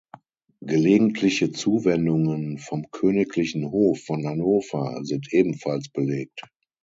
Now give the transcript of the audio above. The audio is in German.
Gelegentliche Zuwendungen vom königlichen Hof von Hannover sind ebenfalls belegt.